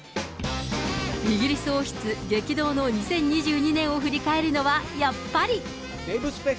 イギリス王室激動の２０２２年を振り返るのは、やっぱり。